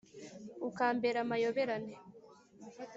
ukambera amayoberane